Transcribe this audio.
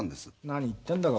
何言ってんだか